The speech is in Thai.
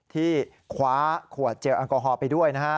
ที่คว้าขวดเจลแอลกอฮอล์ไปด้วยนะฮะ